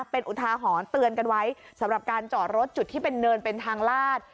เป็นอุทาหรณ์เตือนกันไว้สำหรับการจอดรถจุดที่เป็นเนินเป็นทางลาด